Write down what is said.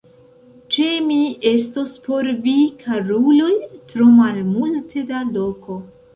Ĉe mi estos por vi, karuloj, tro malmulte da loko!